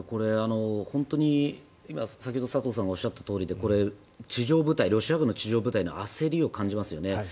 本当に、先ほど佐藤さんがおっしゃったとおりでこれ、ロシア軍の地上部隊の焦りを感じますよね。